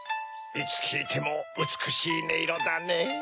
いつきいてもうつくしいねいろだねぇ。